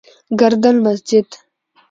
گردن مسجد: